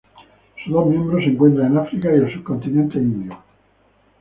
Sus dos miembros se encuentran en África y el subcontinente indio.